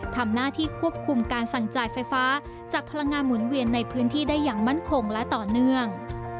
ทำหน้าที่ควบคุมการสั่งจ่ายไฟฟ้าจากพลังงานหมุนเวียนในพื้นที่ได้อย่างมั่นคงและต่อเนื่อง